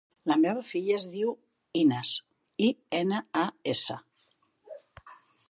La meva filla es diu Inas: i, ena, a, essa.